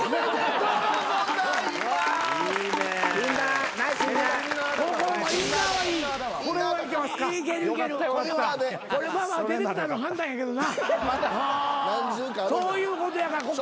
そういうことやからこっから。